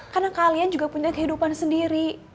karena kalian juga punya kehidupan sendiri